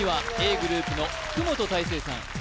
ｇｒｏｕｐの福本大晴さん